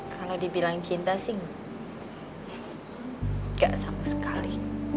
kalau dibilang cinta sih gak sama sekali